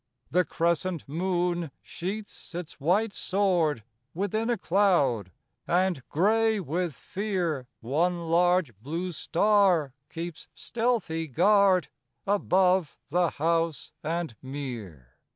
The crescent moon sheathes its white sword Within a cloud; and, gray with fear, One large blue star keeps stealthy guard Above the house and mere.